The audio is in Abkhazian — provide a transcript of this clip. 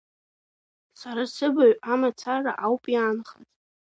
Сара сыбаҩ амацара ауп иаанхаз…